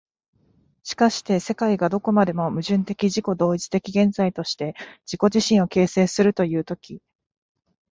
しかして世界がどこまでも矛盾的自己同一的現在として自己自身を形成するという時、